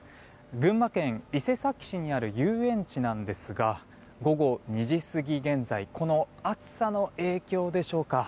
群馬県伊勢崎市にある遊園地なんですが午後２時過ぎ現在この暑さの影響でしょうか。